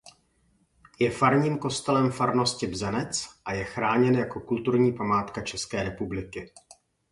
Je farním kostelem farnosti Bzenec a je chráněn jako kulturní památka České republiky.